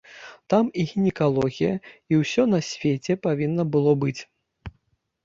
Там і гінекалогія, і усё на свеце павінна было быць.